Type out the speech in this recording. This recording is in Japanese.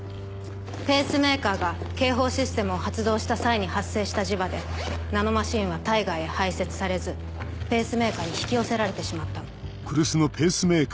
ペースメーカーが警報システムを発動した際に発生した磁場でナノマシンは体外へ排泄されずペースメーカーに引き寄せられてしまったの。